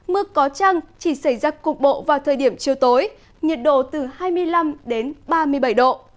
mưa có trăng chỉ xảy ra cục bộ vào thời điểm chiều tối nhiệt độ từ hai mươi năm đến ba mươi bảy độ